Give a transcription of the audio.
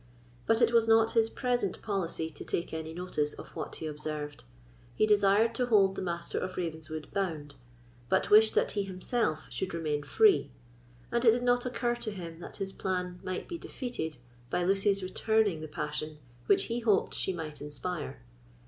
But it was not his present policy to take any notice of what he observed. He desired to hold the Master of Ravenswood bound, but wished that he himself should remain free; and it did not occur to him that his plan might be defeated by Lucy's returning the passion which he hoped she might inspire.